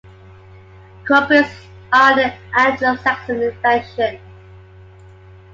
Crumpets are an Anglo-Saxon invention.